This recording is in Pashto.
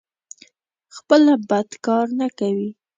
خپله بد کار نه کوي.